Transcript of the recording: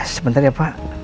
sebentar ya pak